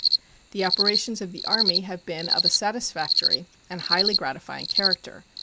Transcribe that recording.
The operations of the Army have been of a satisfactory and highly gratifying character.